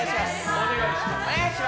お願いします。